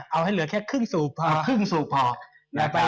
เอาให้เหลือแค่ครึ่งสูกพอ